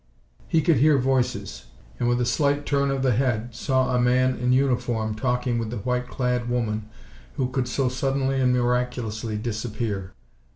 He could hear voices, and with a slight turn of the head saw a man in uniform talking with the white clad woman who could so suddenly and miraculously disappear.